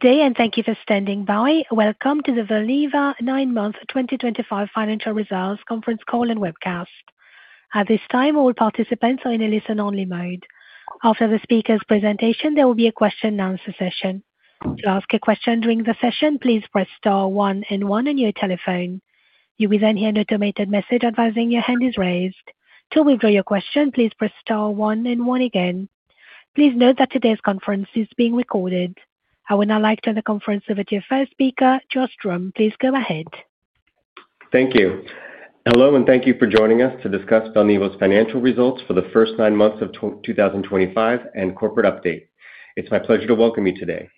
Good day, and thank you for standing by. Welcome to the Valneva Nine Month 2025 Financial Results Conference Call and Webcast. At this time, all participants are in a listen-only mode. After the speaker's presentation, there will be a question-and-answer session. To ask a question during the session, please press star one and one on your telephone. You will then hear an automated message advising your hand is raised. To withdraw your question, please press star one and one again. Please note that today's conference is being recorded. I will now like to turn the conference over to your first speaker, Josh Drumm. Please go ahead. Thank you. Hello, and thank you for joining us to discuss Valneva's financial results for the first nine months of 2025 and corporate update. It's my pleasure to welcome you today.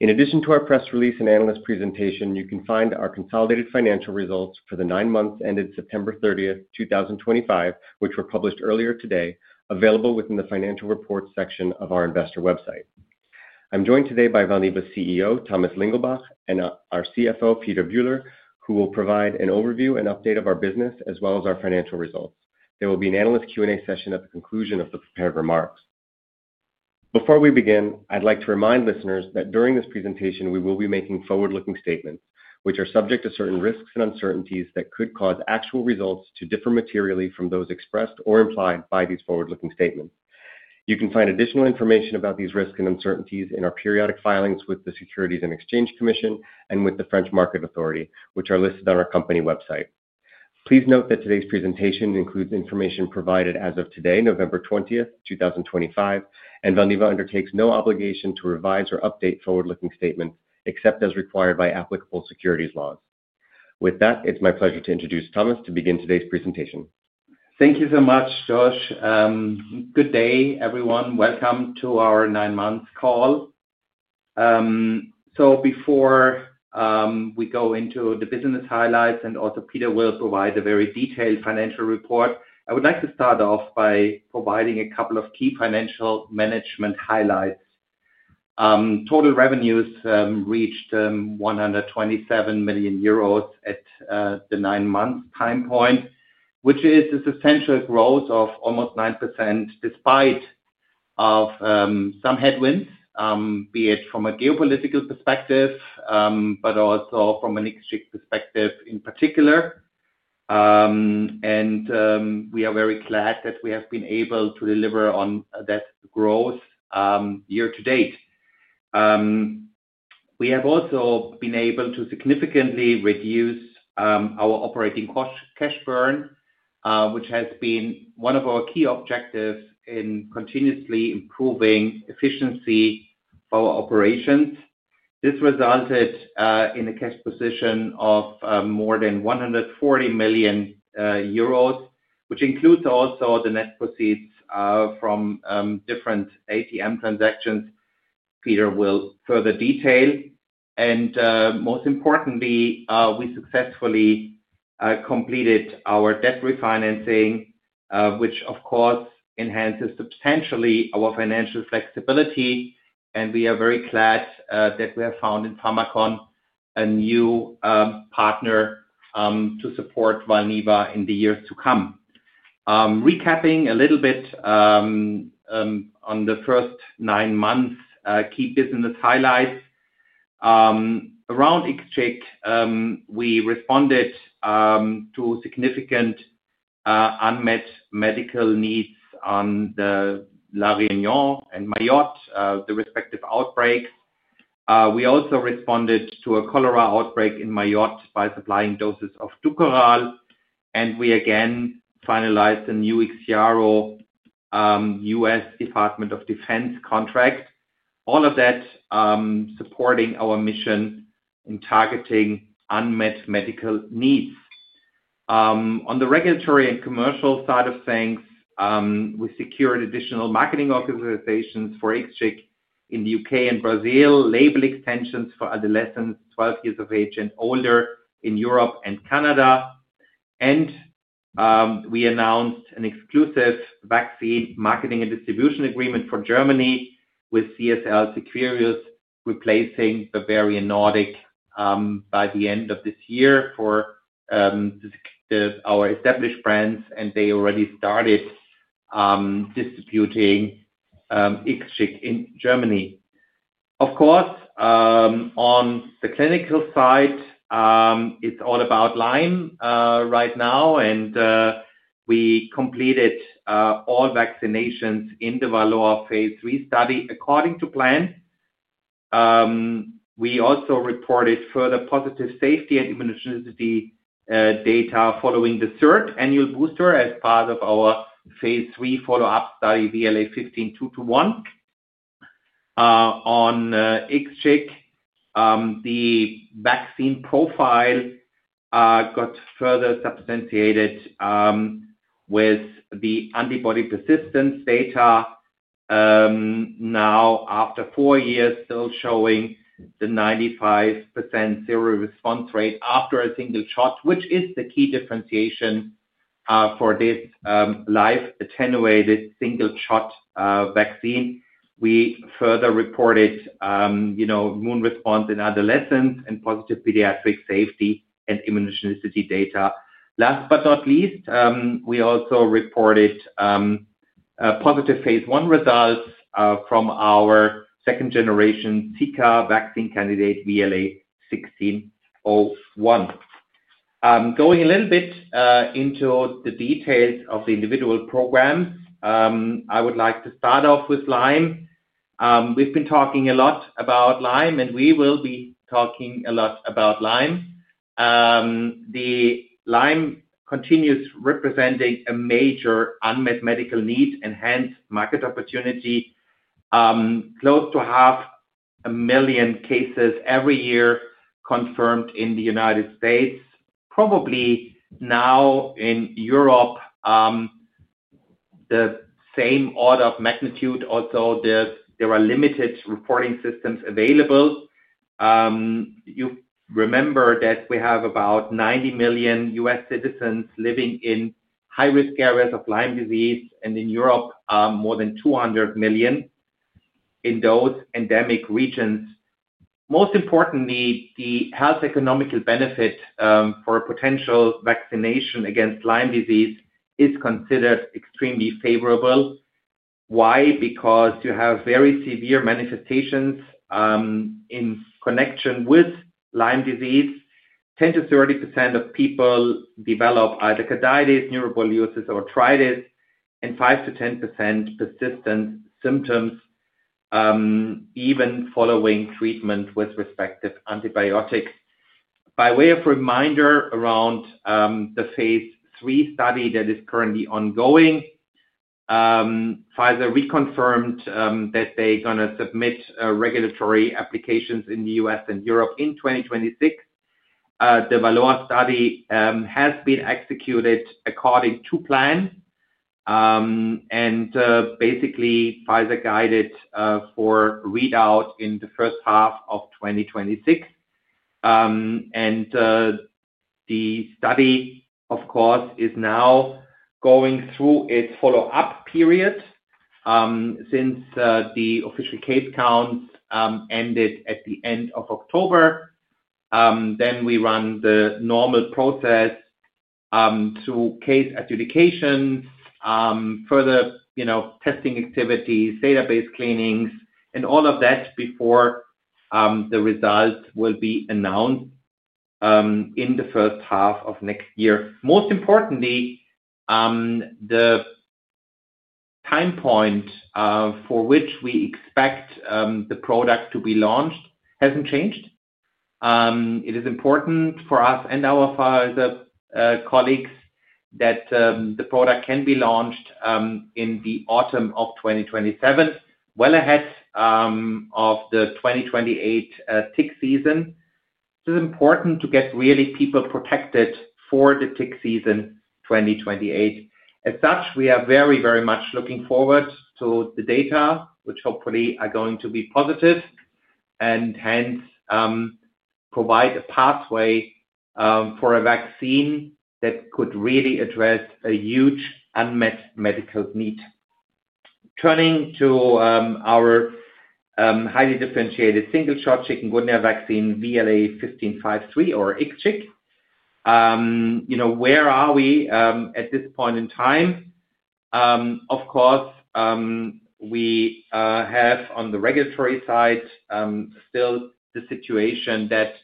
In addition to our press release and analyst presentation, you can find our consolidated financial results for the nine months ended September 30, 2025, which were published earlier today, available within the financial reports section of our investor website. I'm joined today by Valneva's CEO, Thomas Lingelbach, and our CFO, Peter Bühler, who will provide an overview and update of our business as well as our financial results. There will be an analyst Q&A session at the conclusion of the prepared remarks. Before we begin, I'd like to remind listeners that during this presentation, we will be making forward-looking statements, which are subject to certain risks and uncertainties that could cause actual results to differ materially from those expressed or implied by these forward-looking statements. You can find additional information about these risks and uncertainties in our periodic filings with the Securities and Exchange Commission and with the French Market Authority, which are listed on our company website. Please note that today's presentation includes information provided as of today, November 20th, 2025, and Valneva undertakes no obligation to revise or update forward-looking statements except as required by applicable securities laws. With that, it's my pleasure to introduce Thomas to begin today's presentation. Thank you so much, Josh. Good day, everyone. Welcome to our nine-month call. Before we go into the business highlights, and also Peter will provide a very detailed financial report, I would like to start off by providing a couple of key financial management highlights. Total revenues reached 127 million euros at the nine-month time point, which is essential growth of almost 9% despite some headwinds, be it from a geopolitical perspective, but also from an exchange perspective in particular. We are very glad that we have been able to deliver on that growth year to date. We have also been able to significantly reduce our operating cash burn, which has been one of our key objectives in continuously improving efficiency for our operations. This resulted in a cash position of more than 140 million euros, which includes also the net proceeds from different ATM transactions, Peter will further detail. Most importantly, we successfully completed our debt refinancing, which, of course, enhances substantially our financial flexibility. We are very glad that we have found in Pharmakon a new partner to support Valneva in the years to come. Recapping a little bit on the first nine months, key business highlights. Around exchange, we responded to significant unmet medical needs on La Réunion and Mayotte, the respective outbreaks. We also responded to a cholera outbreak in Mayotte by supplying doses of DUKORAL. We again finalized a new IXIARO U.S. Department of Defense contract. All of that supporting our mission in targeting unmet medical needs. On the regulatory and commercial side of things, we secured additional marketing organizations for IXCHIQ in the U.K. and Brazil, label extensions for adolescents 12 years of age and older in Europe and Canada. We announced an exclusive vaccine marketing and distribution agreement for Germany with CSL Seqirus, replacing Bavarian Nordic by the end of this year for our established brands. They already started distributing IXCHIQ in Germany. Of course, on the clinical side, it's all about Lyme right now. We completed all vaccinations in the Valneva phase III study according to plan. We also reported further positive safety and immunogenicity data following the third annual booster as part of our phase III follow-up study, VLA15-221. On IXCHIQ, the vaccine profile got further substantiated with the antibody persistence data, now after four years, still showing the 95% seroresponse rate after a single shot, which is the key differentiation for this live attenuated single-shot vaccine. We further reported immune response in adolescents and positive pediatric safety and immunogenicity data. Last but not least, we also reported positive phase I results from our second-generation Zika vaccine candidate, VLA1601. Going a little bit into the details of the individual programs, I would like to start off with Lyme. We've been talking a lot about Lyme, and we will be talking a lot about Lyme. The Lyme continues representing a major unmet medical need and hence market opportunity. Close to 500,000 cases every year confirmed in the United States. Probably now in Europe, the same order of magnitude, although there are limited reporting systems available. You remember that we have about 90 million U.S. citizens living in high-risk areas of Lyme disease, and in Europe, more than 200 million in those endemic regions. Most importantly, the health economical benefit for potential vaccination against Lyme disease is considered extremely favorable. Why? Because you have very severe manifestations in connection with Lyme disease. 10%-30% of people develop either chondritis, neuroborreliosis, or arthritis, and 5%-10% persistent symptoms even following treatment with respective antibiotics. By way of reminder around the phase III study that is currently ongoing, Pfizer reconfirmed that they're going to submit regulatory applications in the U.S. and Europe in 2026. The VALOR study has been executed according to plan, and basically, Pfizer guided for readout in the first half of 2026. The study, of course, is now going through its follow-up period since the official case counts ended at the end of October. We run the normal process through case adjudication, further testing activities, database cleanings, and all of that before the results will be announced in the first half of next year. Most importantly, the time point for which we expect the product to be launched hasn't changed. It is important for us and our Pfizer colleagues that the product can be launched in the autumn of 2027, well ahead of the 2028 tick season. It is important to get really people protected for the tick season 2028. As such, we are very, very much looking forward to the data, which hopefully are going to be positive and hence provide a pathway for a vaccine that could really address a huge unmet medical need. Turning to our highly differentiated single-shot chikungunya vaccine, VLA1553, or IXCHIQ, where are we at this point in time? Of course, we have on the regulatory side still the situation that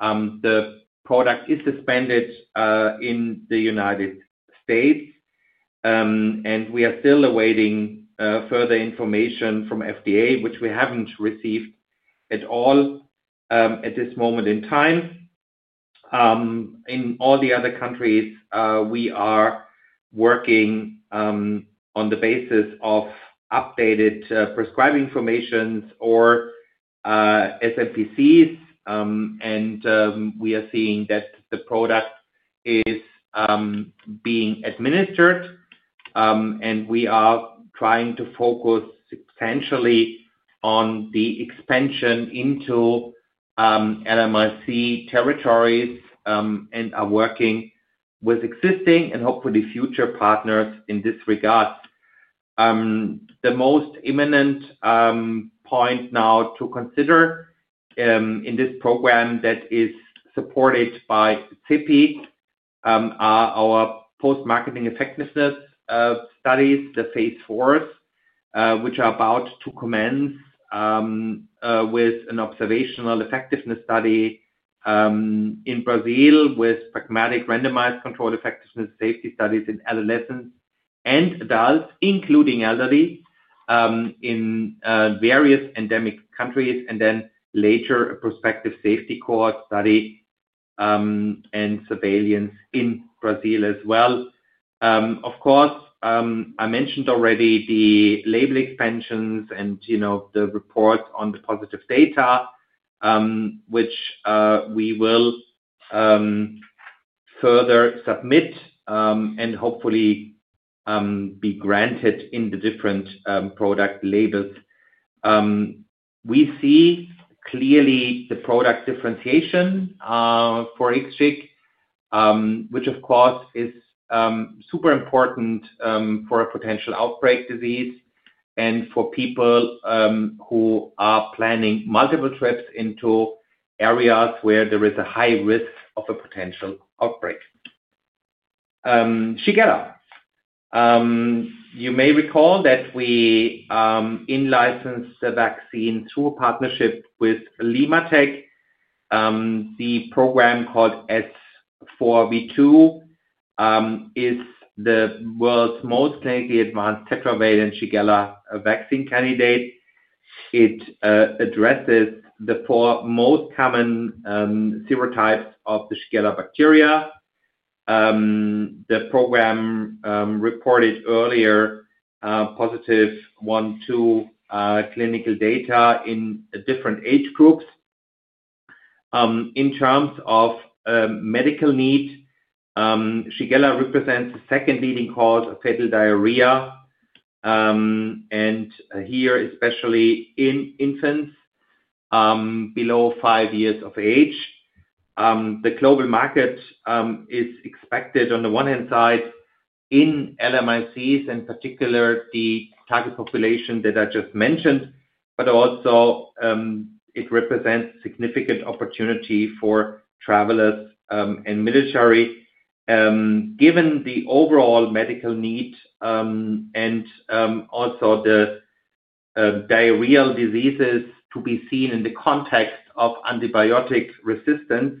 the product is suspended in the U.S., and we are still awaiting further information from FDA, which we haven't received at all at this moment in time. In all the other countries, we are working on the basis of updated prescribing information or SMPCs, and we are seeing that the product is being administered. We are trying to focus substantially on the expansion into LMIC territories and are working with existing and hopefully future partners in this regard. The most imminent point now to consider in this program that is supported by CEPI are our post-marketing effectiveness studies, the phase IIIIs, which are about to commence with an observational effectiveness study in Brazil with pragmatic randomized controlled effectiveness safety studies in adolescents and adults, including elderly, in various endemic countries, and then later a prospective safety core study and surveillance in Brazil as well. Of course, I mentioned already the label expansions and the report on the positive data, which we will further submit and hopefully be granted in the different product labels. We see clearly the product differentiation for IXCHIQ, which of course is super important for a potential outbreak disease and for people who are planning multiple trips into areas where there is a high risk of a potential outbreak. Shigella. You may recall that we in-licensed the vaccine through a partnership with LimmaTech. The program called S4V2 is the world's most clinically advanced tetravalent Shigella vaccine candidate. It addresses the four most common serotypes of the Shigella bacteria. The program reported earlier positive 1/2 clinical data in different age groups. In terms of medical need, Shigella represents the second leading cause of fatal diarrhea, and here especially in infants below five years of age. The global market is expected on the one-hand side in LMICs, in particular the target population that I just mentioned, but also it represents significant opportunity for travelers and military. Given the overall medical need and also the diarrheal diseases to be seen in the context of antibiotic resistance,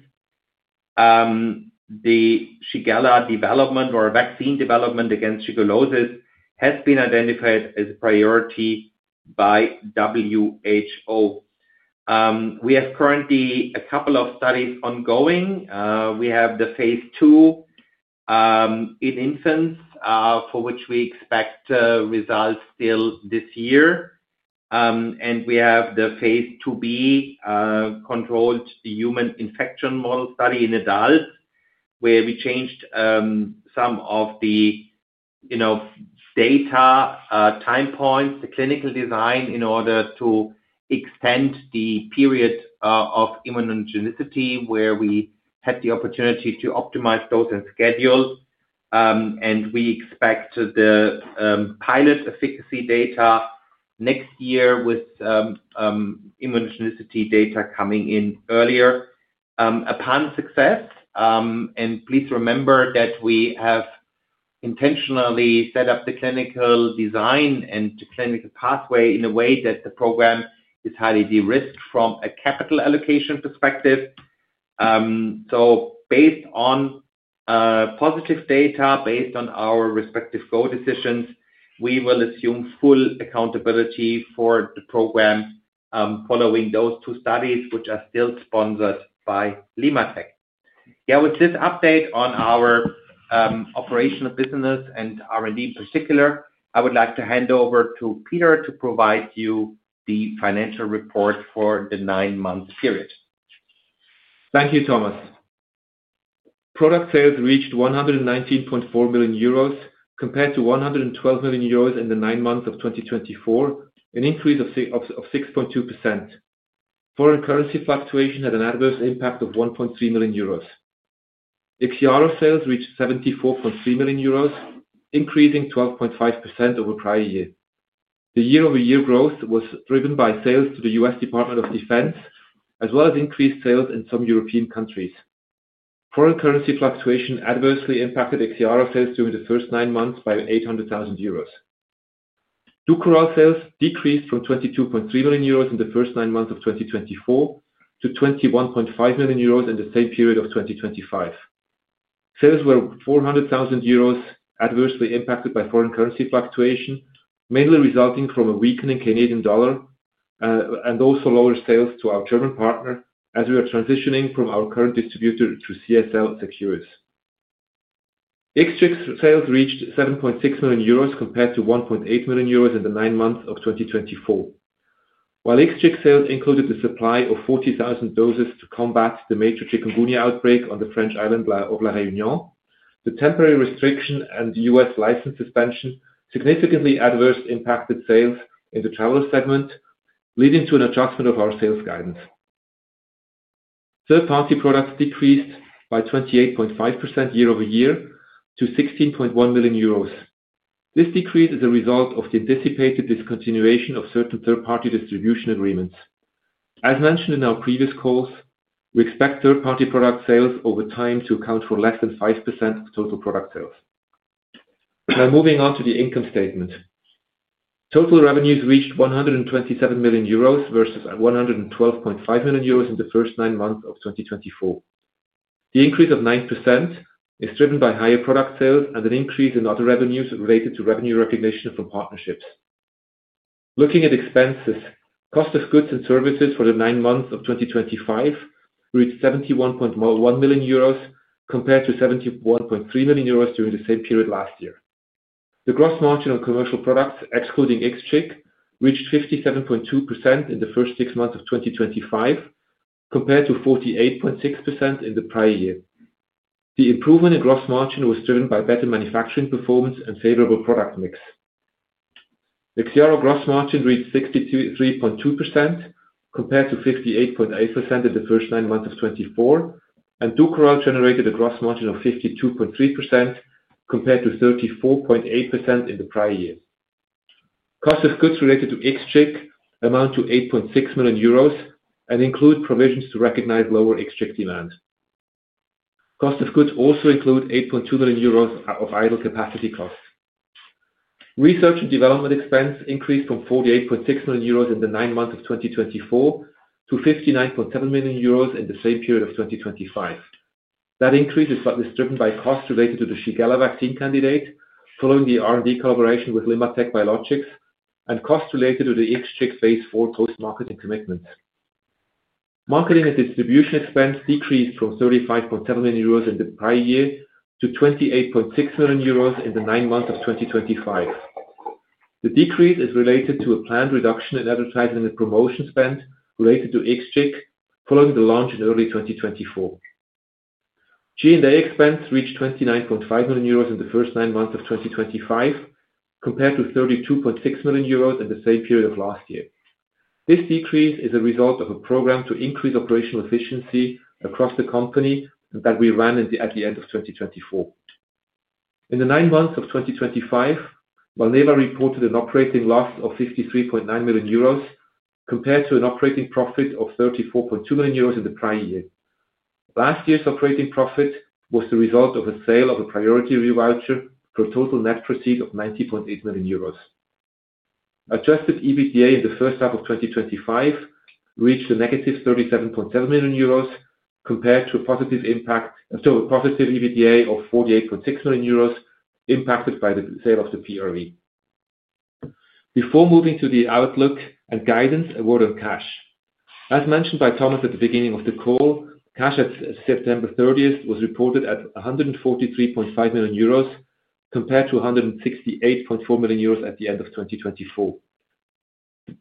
the Shigella development or vaccine development against Shigellosis has been identified as a priority by WHO. We have currently a couple of studies ongoing. We have the phase II in infants for which we expect results still this year. We have the phase IIb controlled human infection model study in adults, where we changed some of the data time points, the clinical design in order to extend the period of immunogenicity where we had the opportunity to optimize dose and schedule. We expect the pilot efficacy data next year with immunogenicity data coming in earlier upon success. Please remember that we have intentionally set up the clinical design and the clinical pathway in a way that the program is highly de-risked from a capital allocation perspective. Based on positive data, based on our respective goal decisions, we will assume full accountability for the program following those two studies, which are still sponsored by LimmaTech. With this update on our operational business and R&D in particular, I would like to hand over to Peter to provide you the financial report for the nine-month period. Thank you, Thomas. Product sales reached 119.4 million euros compared to 112 million euros in the nine months of 2024, an increase of 6.2%. Foreign currency fluctuation had an adverse impact of 1.3 million euros. IXIARO sales reached 74.3 million euros, increasing 12.5% over prior year. The year-over-year growth was driven by sales to the U.S. Department of Defense, as well as increased sales in some European countries. Foreign currency fluctuation adversely impacted IXIARO sales during the first nine months by 800,000 euros. DUKORAL sales decreased from 22.3 million euros in the first nine months of 2024 to 21.5 million euros in the same period of 2025. Sales were 400,000 euros adversely impacted by foreign currency fluctuation, mainly resulting from a weakening Canadian dollar and also lower sales to our German partner as we are transitioning from our current distributor to CSL Seqirus. IXCHIQ sales reached 7.6 million euros compared to 1.8 million euros in the nine months of 2024. While IXCHIQ sales included the supply of 40,000 doses to combat the major chikungunya outbreak on the French island of La Réunion, the temporary restriction and U.S. license suspension significantly adversely impacted sales in the traveler segment, leading to an adjustment of our sales guidance. Third-party products decreased by 28.5% year-over-year to 16.1 million euros. This decrease is a result of the anticipated discontinuation of certain third-party distribution agreements. As mentioned in our previous calls, we expect third-party product sales over time to account for less than 5% of total product sales. Now moving on to the income statement. Total revenues reached 127 million euros versus 112.5 million euros in the first nine months of 2024. The increase of 9% is driven by higher product sales and an increase in other revenues related to revenue recognition from partnerships. Looking at expenses, cost of goods and services for the nine months of 2025 reached 71.1 million euros compared to 71.3 million euros during the same period last year. The gross margin on commercial products, excluding IXCHIQ, reached 57.2% in the first six months of 2025 compared to 48.6% in the prior year. The improvement in gross margin was driven by better manufacturing performance and favorable product mix. IXIARO gross margin reached 63.2% compared to 58.8% in the first nine months of 2024, and DUKORAL generated a gross margin of 52.3% compared to 34.8% in the prior year. Cost of goods related to IXCHIQ amount to 8.6 million euros and include provisions to recognize lower exchange demand. Cost of goods also include 8.2 million euros of idle capacity costs. Research and development expense increased from 48.6 million euros in the nine months of 2024 to 59.7 million euros in the same period of 2025. That increase is partly driven by costs related to the Shigella vaccine candidate following the R&D collaboration with LimmaTech Biologics and costs related to the IXCHIQ phase IIII post-marketing commitments. Marketing and distribution expense decreased from 35.7 million euros in the prior year to 28.6 million euros in the nine months of 2025. The decrease is related to a planned reduction in advertising and promotion spend related to IXCHIQ following the launch in early 2024. G&A expense reached 29.5 million euros in the first nine months of 2025 compared to 32.6 million euros in the same period of last year. This decrease is a result of a program to increase operational efficiency across the company that we ran at the end of 2024. In the nine months of 2025, Valneva reported an operating loss of 53.9 million euros compared to an operating profit of 34.2 million euros in the prior year. Last year's operating profit was the result of a sale of a priority review voucher for a total net proceed of 90.8 million euros. Adjusted EBITDA in the first half of 2025 reached a negative 37.7 million euros compared to a positive EBITDA of 48.6 million euros impacted by the sale of the PRV. Before moving to the outlook and guidance, a word on cash. As mentioned by Thomas at the beginning of the call, cash at September 30th was reported at 143.5 million euros compared to 168.4 million euros at the end of 2024.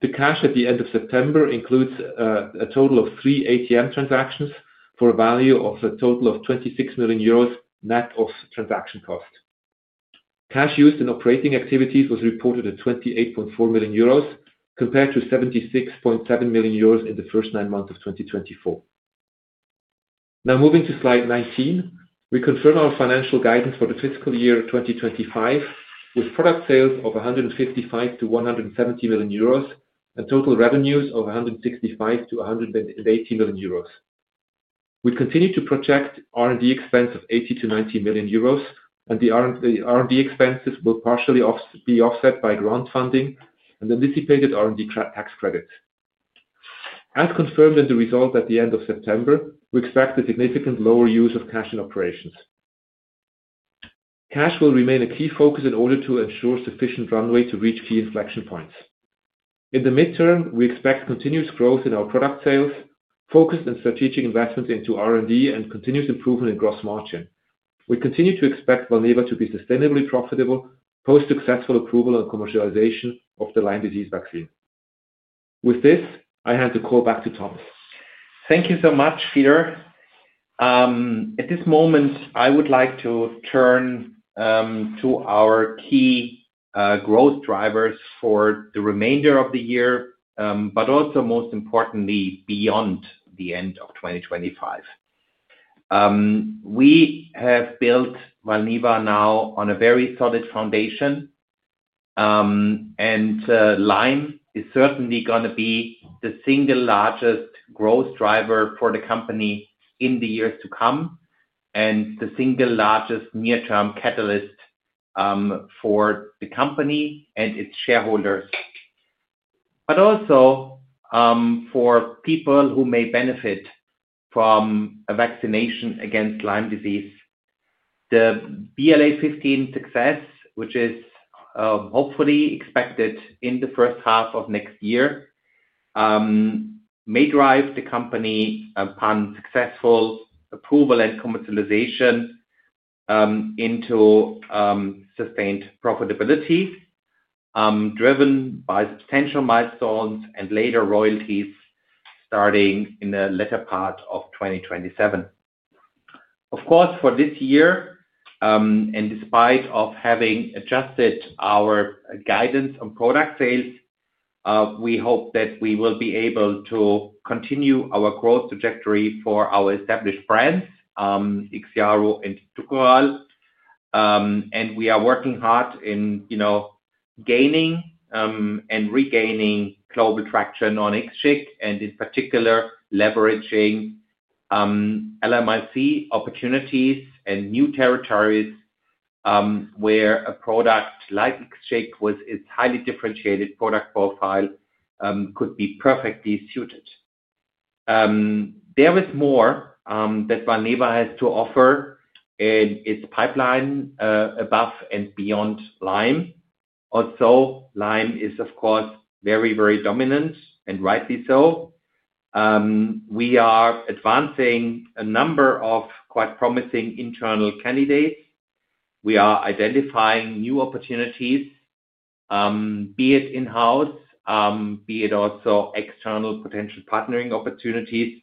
The cash at the end of September includes a total of three ATM transactions for a value of a total of 26 million euros net of transaction cost. Cash used in operating activities was reported at 28.4 million euros compared to 76.7 million euros in the first nine months of 2024. Now moving to slide 19, we confirm our financial guidance for the fiscal year 2025 with product sales of 155 million-170 million euros and total revenues of 165 million-180 million euros. We continue to project R&D expense of 80 million-90 million euros, and the R&D expenses will partially be offset by grant funding and the anticipated R&D tax credits. As confirmed in the results at the end of September, we expect a significant lower use of cash in operations. Cash will remain a key focus in order to ensure sufficient runway to reach key inflection points. In the midterm, we expect continuous growth in our product sales, focused on strategic investments into R&D, and continuous improvement in gross margin. We continue to expect Valneva to be sustainably profitable post-successful approval and commercialization of the Lyme disease vaccine. With this, I hand the call back to Thomas. Thank you so much, Peter. At this moment, I would like to turn to our key growth drivers for the remainder of the year, but also most importantly, beyond the end of 2025. We have built Valneva now on a very solid foundation, and Lyme is certainly going to be the single largest growth driver for the company in the years to come and the single largest near-term catalyst for the company and its shareholders, but also for people who may benefit from a vaccination against Lyme disease. The VLA15 success, which is hopefully expected in the first half of next year, may drive the company upon successful approval and commercialization into sustained profitability driven by potential milestones and later royalties starting in the latter part of 2027. Of course, for this year, and despite having adjusted our guidance on product sales, we hope that we will be able to continue our growth trajectory for our established brands, IXIARO and DUKORAL, and we are working hard in gaining and regaining global traction on IXCHIQ and, in particular, leveraging LMIC opportunities and new territories where a product like IXCHIQ with its highly differentiated product profile could be perfectly suited. There is more that Valneva has to offer in its pipeline above and beyond Lyme. Also, Lyme is, of course, very, very dominant, and rightly so. We are advancing a number of quite promising internal candidates. We are identifying new opportunities, be it in-house, be it also external potential partnering opportunities,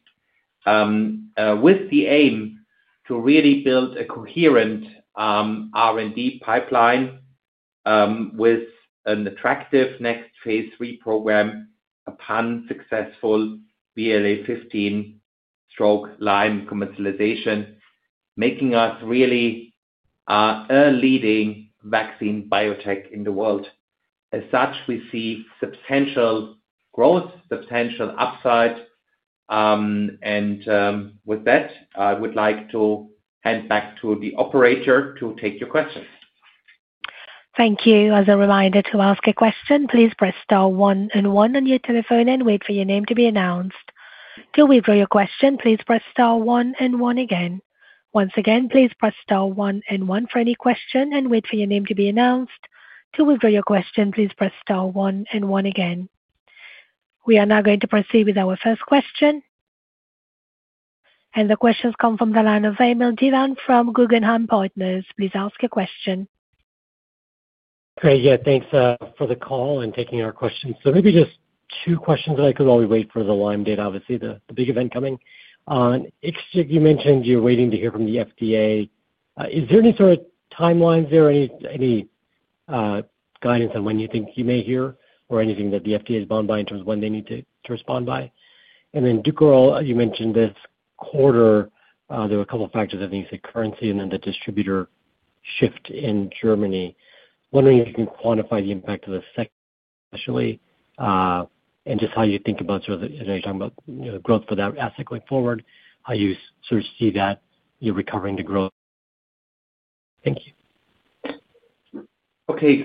with the aim to really build a coherent R&D pipeline with an attractive next phase III program upon successful VLA15/Lyme commercialization, making us really a leading vaccine biotech in the world. As such, we see substantial growth, substantial upside, and with that, I would like to hand back to the operator to take your questions. Thank you. As a reminder to ask a question, please press star one and one on your telephone and wait for your name to be announced. To withdraw your question, please press star one and one again. Once again, please press star one and one for any question and wait for your name to be announced. To withdraw your question, please press star one and one again. We are now going to proceed with our first question. The questions come from the line of Vamil Divan from Guggenheim Partners. Please ask your question. Hey, yeah, thanks for the call and taking our questions. Maybe just two questions that I could while we wait for the Lyme date, obviously, the big event coming. You mentioned you're waiting to hear from the FDA. Is there any sort of timelines there or any guidance on when you think you may hear or anything that the FDA is bound by in terms of when they need to respond by? DUKORAL, you mentioned this quarter, there were a couple of factors, I think you said currency and then the distributor shift in Germany. Wondering if you can quantify the impact of this especially and just how you think about sort of, you know, you're talking about growth for that asset going forward, how you sort of see that recovering the growth. Thank you. Okay,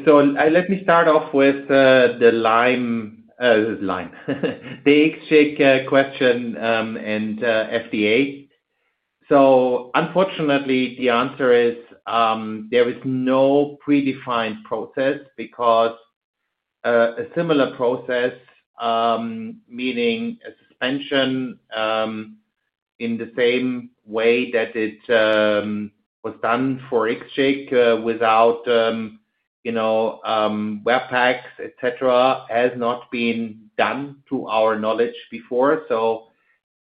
let me start off with the Lyme, the IXCHIQ question and FDA. Unfortunately, the answer is there is no predefined process because a similar process, meaning a suspension in the same way that it was done for IXCHIQ without, you know, WebPAX, etc., has not been done to our knowledge before.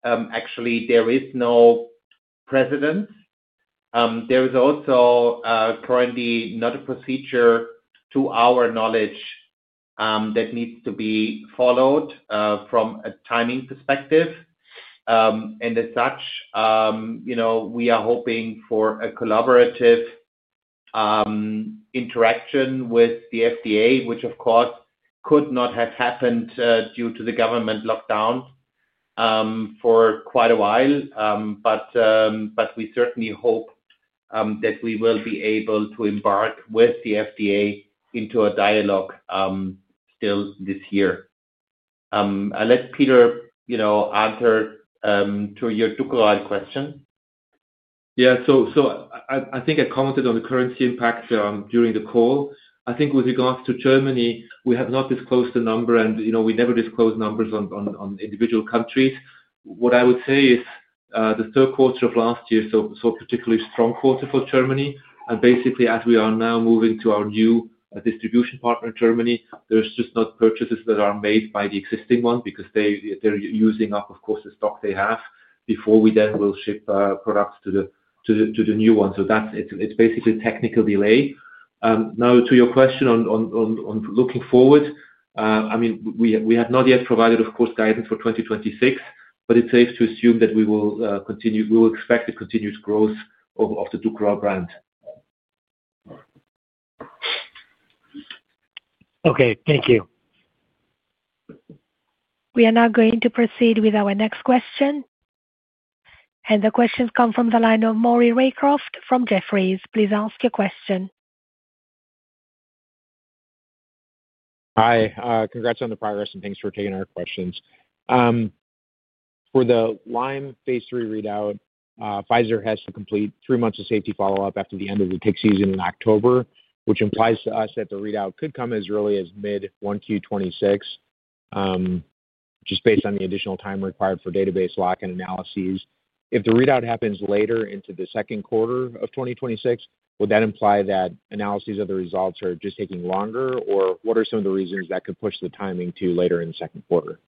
Actually, there is no precedent. There is also currently not a procedure to our knowledge that needs to be followed from a timing perspective. As such, you know, we are hoping for a collaborative interaction with the FDA, which, of course, could not have happened due to the government lockdown for quite a while, but we certainly hope that we will be able to embark with the FDA into a dialogue still this year. I'll let Peter, you know, answer to your DUKORAL question. Yeah, so I think I commented on the currency impact during the call. I think with regards to Germany, we have not disclosed the number, and you know, we never disclose numbers on individual countries. What I would say is the third quarter of last year saw a particularly strong quarter for Germany. Basically, as we are now moving to our new distribution partner in Germany, there are just not purchases that are made by the existing one because they are using up, of course, the stock they have before we then will ship products to the new one. It is basically a technical delay. Now, to your question on looking forward, I mean, we have not yet provided, of course, guidance for 2026, but it is safe to assume that we will continue to expect the continued growth of the DUKORAL brand. Okay, thank you. We are now going to proceed with our next question. The questions come from the line of Maury Raycroft from Jefferies. Please ask your question. Hi, congrats on the progress, and thanks for taking our questions. For the Lyme phase III readout, Pfizer has to complete three months of safety follow-up after the end of the tick season in October, which implies to us that the readout could come as early as mid-1Q 2026, just based on the additional time required for database lock and analyses. If the readout happens later into the second quarter of 2026, would that imply that analyses of the results are just taking longer, or what are some of the reasons that could push the timing to later in the second quarter?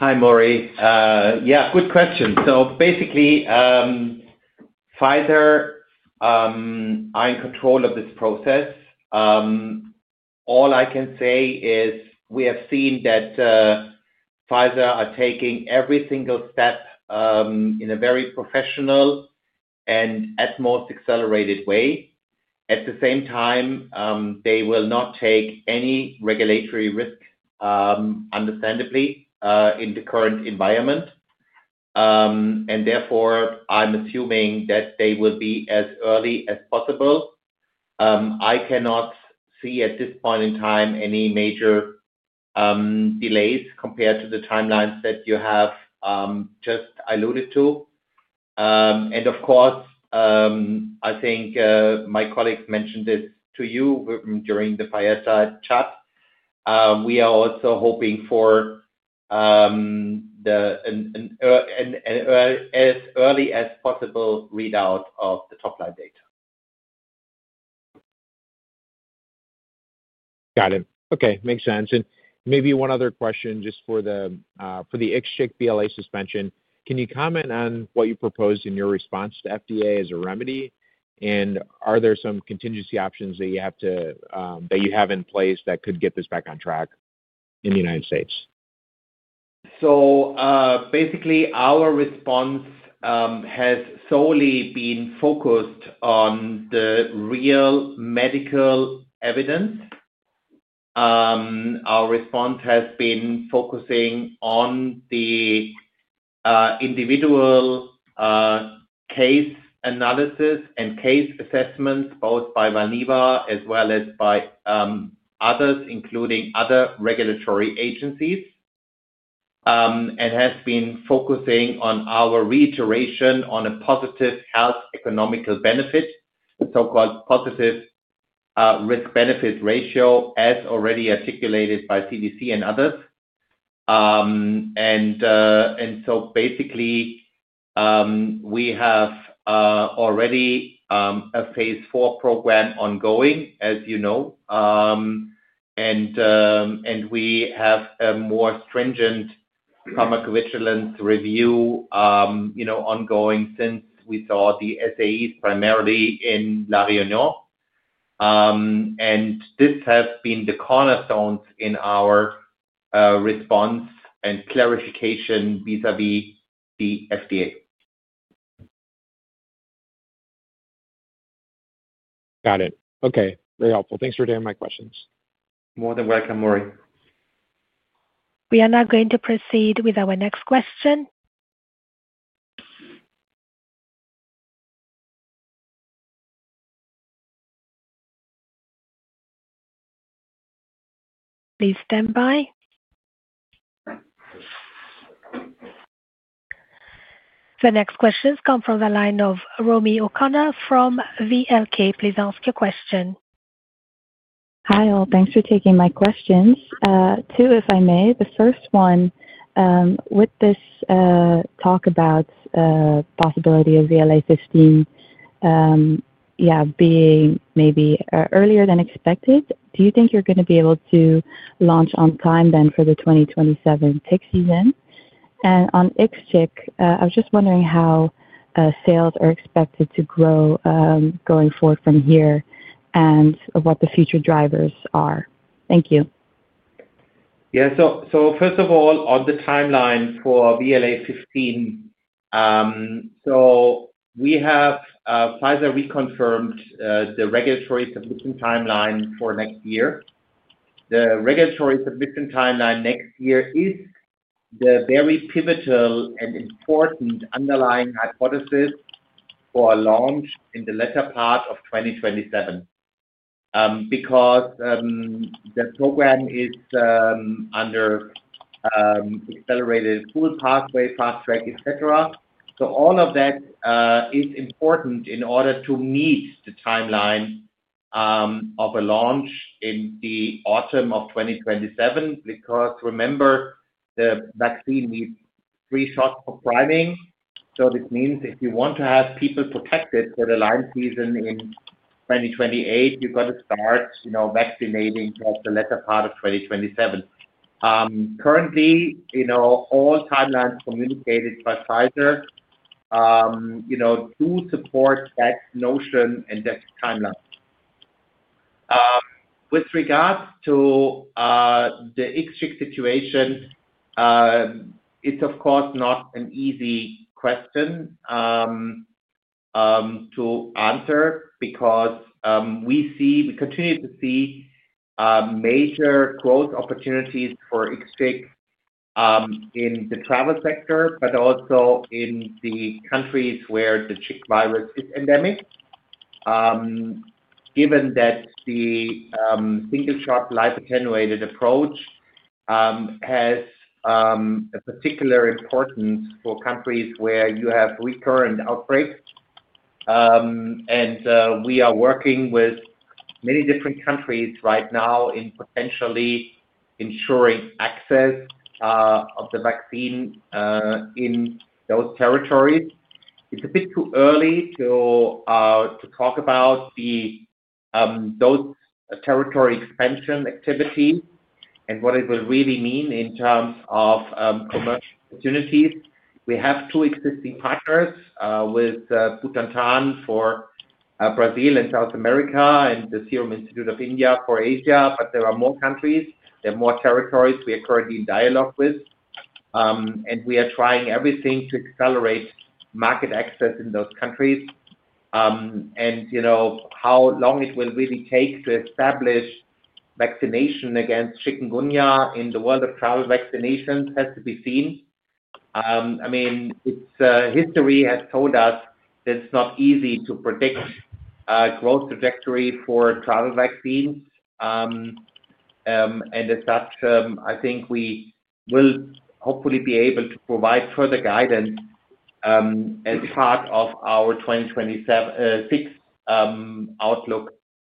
Hi, Maury. Yeah, good question. Basically, Pfizer is in control of this process. All I can say is we have seen that Pfizer is taking every single step in a very professional and utmost accelerated way. At the same time, they will not take any regulatory risk, understandably, in the current environment. Therefore, I'm assuming that they will be as early as possible. I cannot see at this point in time any major delays compared to the timelines that you have just alluded to. Of course, I think my colleagues mentioned this to you during the Pfizer chat. We are also hoping for an as early as possible readout of the top-line data. Got it. Okay, makes sense. Maybe one other question just for the IXCHIQ BLA suspension. Can you comment on what you proposed in your response to FDA as a remedy, and are there some contingency options that you have in place that could get this back on track in the United States? Basically, our response has solely been focused on the real medical evidence. Our response has been focusing on the individual case analysis and case assessments both by Valneva as well as by others, including other regulatory agencies, and has been focusing on our reiteration on a positive health economical benefit, so-called positive risk-benefit ratio, as already articulated by CDC and others. Basically, we have already a phase IIII program ongoing, as you know, and we have a more stringent pharmacovigilance review, you know, ongoing since we saw the SAEs primarily in La Réunion. This has been the cornerstones in our response and clarification vis-à-vis the FDA. Got it. Okay, very helpful. Thanks for taking my questions. More than welcome, Maury. We are now going to proceed with our next question. Please stand by. The next questions come from the line of Romy O'Connor from VLK. Please ask your question. Hi, all. Thanks for taking my questions. Two, if I may. The first one, with this talk about the possibility of VLA15, yeah, being maybe earlier than expected, do you think you're going to be able to launch on time then for the 2027 tick season? And on IXCHIQ I was just wondering how sales are expected to grow going forward from here and what the future drivers are? Thank you. Yeah, so first of all, on the timeline for VLA15, we have Pfizer reconfirmed the regulatory submission timeline for next year. The regulatory submission timeline next year is the very pivotal and important underlying hypothesis for a launch in the latter part of 2027 because the program is under accelerated full pathway, fast track, etc. All of that is important in order to meet the timeline of a launch in the autumn of 2027 because, remember, the vaccine needs three shots for priming. This means if you want to have people protected for the Lyme season in 2028, you've got to start, you know, vaccinating towards the latter part of 2027. Currently, you know, all timelines communicated by Pfizer, you know, do support that notion and that timeline. With regards to the IXCHIQ situation, it's, of course, not an easy question to answer because we see we continue to see major growth opportunities for IXCHIQ in the travel sector, but also in the countries where the chik virus is endemic. Given that the single-shot live-attenuated approach has a particular importance for countries where you have recurrent outbreaks, and we are working with many different countries right now in potentially ensuring access of the vaccine in those territories. It's a bit too early to talk about those territory expansion activities and what it will really mean in terms of commercial opportunities. We have two existing partners with Butantan for Brazil and South America and the Serum Institute of India for Asia, but there are more countries, there are more territories we are currently in dialogue with, and we are trying everything to accelerate market access in those countries. You know, how long it will really take to establish vaccination against chikungunya in the world of travel vaccinations has to be seen. I mean, history has told us that it's not easy to predict growth trajectory for travel vaccines. As such, I think we will hopefully be able to provide further guidance as part of our 2026 outlook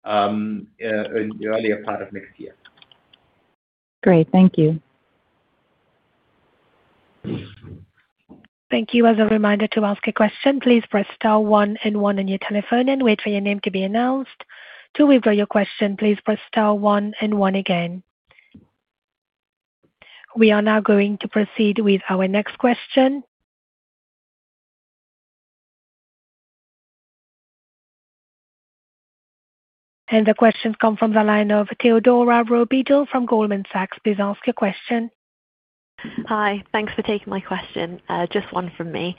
in the earlier part of next year. Great, thank you. Thank you. As a reminder to ask a question, please press star one and one on your telephone and wait for your name to be announced. To withdraw your question, please press star one and one again. We are now going to proceed with our next question. The questions come from the line of Theodora Rowe Beadle from Goldman Sachs. Please ask your question. Hi, thanks for taking my question. Just one from me.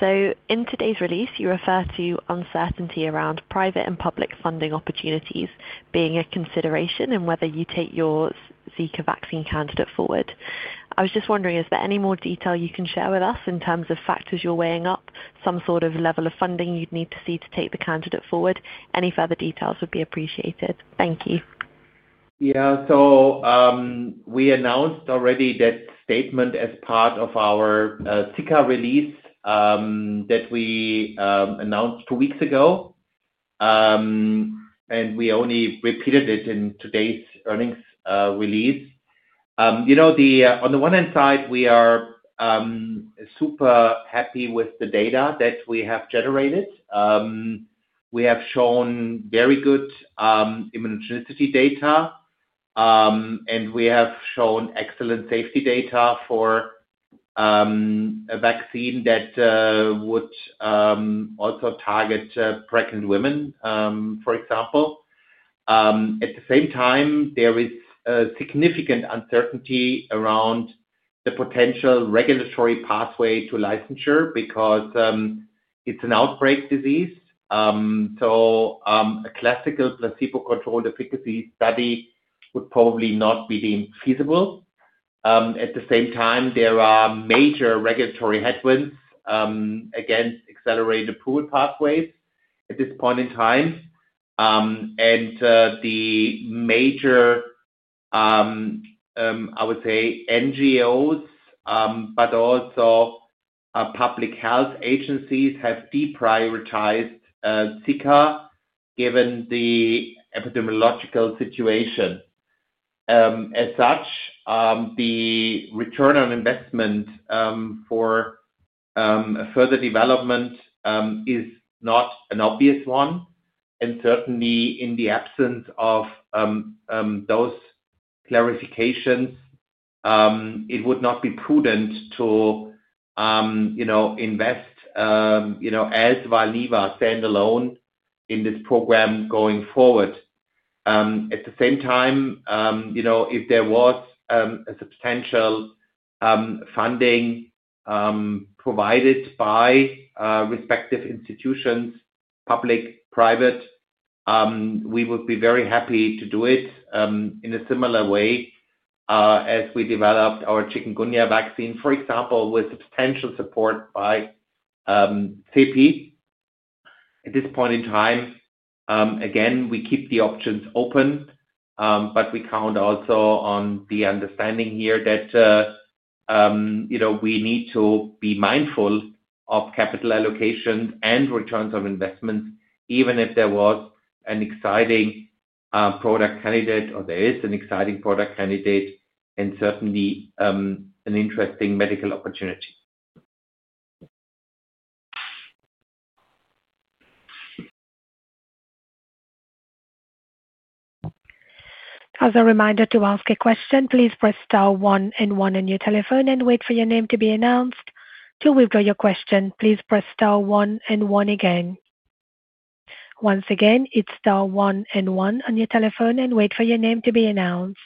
In today's release, you refer to uncertainty around private and public funding opportunities being a consideration in whether you take your Zika vaccine candidate forward. I was just wondering, is there any more detail you can share with us in terms of factors you're weighing up, some sort of level of funding you'd need to see to take the candidate forward? Any further details would be appreciated. Thank you. Yeah, we announced already that statement as part of our Zika release that we announced two weeks ago, and we only repeated it in today's earnings release. You know, on the one hand side, we are super happy with the data that we have generated. We have shown very good immunogenicity data, and we have shown excellent safety data for a vaccine that would also target pregnant women, for example. At the same time, there is significant uncertainty around the potential regulatory pathway to licensure because it's an outbreak disease. A classical placebo-controlled efficacy study would probably not be deemed feasible. At the same time, there are major regulatory headwinds against accelerated pool pathways at this point in time. The major, I would say, NGOs, but also public health agencies have deprioritized Zika given the epidemiological situation. As such, the return on investment for further development is not an obvious one. Certainly, in the absence of those clarifications, it would not be prudent to, you know, invest, you know, as Valneva standalone in this program going forward. At the same time, you know, if there was substantial funding provided by respective institutions, public, private, we would be very happy to do it in a similar way as we developed our chikungunya vaccine, for example, with substantial support by CEPI. At this point in time, again, we keep the options open, but we count also on the understanding here that, you know, we need to be mindful of capital allocations and returns on investments, even if there was an exciting product candidate or there is an exciting product candidate and certainly an interesting medical opportunity. As a reminder to ask a question, please press star one and one on your telephone and wait for your name to be announced. To withdraw your question, please press star one and one again. Once again, it is star one and one on your telephone and wait for your name to be announced.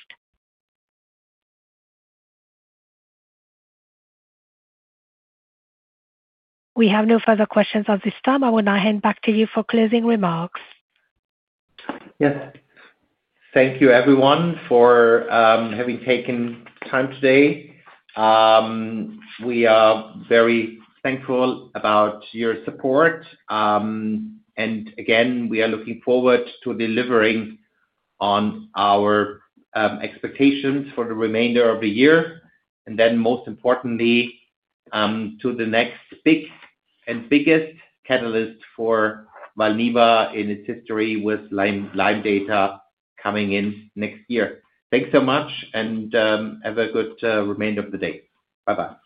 We have no further questions at this time. I will now hand back to you for closing remarks. Yes. Thank you, everyone, for having taken time today. We are very thankful about your support. Again, we are looking forward to delivering on our expectations for the remainder of the year. Most importantly, to the next big and biggest catalyst for Valneva in its history with Lyme data coming in next year. Thanks so much, and have a good remainder of the day. Bye-bye.